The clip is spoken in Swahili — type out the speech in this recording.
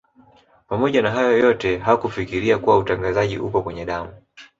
Pamoja na hayo yote hakufikiria kuwa utangazaji upo kwenye damu